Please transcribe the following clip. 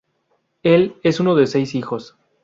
Él es uno de seis hijos.